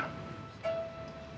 udah deh terserah